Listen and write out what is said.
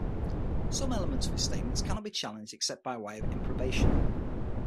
Some elements of his statements cannot be challenged except by way of improbation.